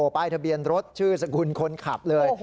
ป้ายทะเบียนรถชื่อสกุลคนขับเลย